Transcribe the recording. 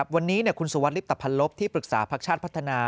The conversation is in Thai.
วันนี้คุณสุวัสดลิปตะพันลบที่ปรึกษาพักชาติพัฒนา